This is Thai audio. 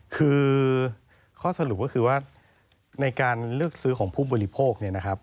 คือข้อสรุปก็คือว่าในการเลือกซื้อของผู้บริโภค